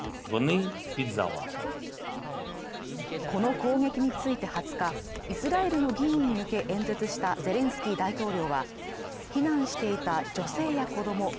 この攻撃について２０日イスラエルの議員に向け演説したゼレンスキー大統領は避難していた女性や子ども